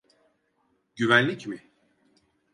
Güvenlik mi?